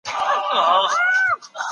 دا ډوډۍ له هغې خوندوره ده.